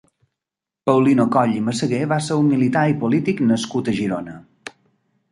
Paulino Coll i Massaguer va ser un militar i polític nascut a Girona.